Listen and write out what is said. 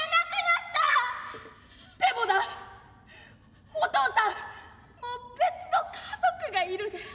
でもなお父さんもう別の家族がいるねん。